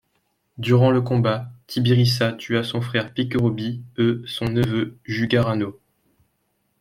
Durant le combat, Tibiriça tua son frère Piquerobi e son neveu Jaguaranho.